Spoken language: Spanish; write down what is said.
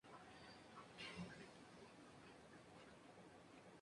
La verticalidad se acentúa con el remate de perfil troncopiramidal.